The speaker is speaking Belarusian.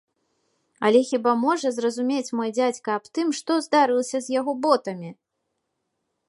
Але хіба можа зразумець мой дзядзька аб тым, што здарылася з яго ботамі?